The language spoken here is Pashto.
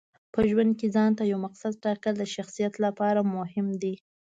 په ژوند کې ځانته یو مقصد ټاکل د شخصیت لپاره مهم دي.